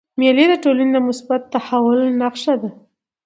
مېلې د ټولني د مثبت تحول نخښه ده.